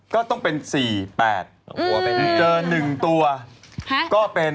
ก็ต้องเป็นสี่แปดเจอหนึ่งตัวก็เป็น